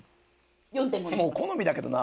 もう好みだけどな。